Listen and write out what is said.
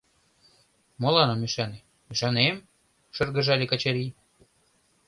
— Молан ом ӱшане, ӱшанем, — шыргыжале Качырий.